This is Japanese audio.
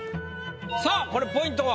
さあこれポイントは？